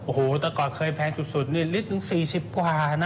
โอ้โหแต่ก่อนเคยแพงสุดนี่ลิตรหนึ่ง๔๐กว่านะ